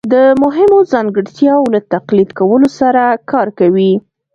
د مهمو ځانګړتیاوو له تقلید کولو سره کار کوي